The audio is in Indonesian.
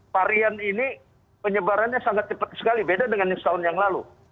varian ini penyebarannya sangat cepat sekali beda dengan yang setahun yang lalu